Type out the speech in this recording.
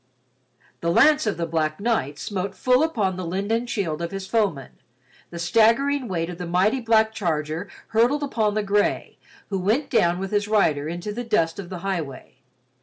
The lance of the black knight smote full upon the linden shield of his foeman, the staggering weight of the mighty black charger hurtled upon the gray, who went down with his rider into the dust of the highway.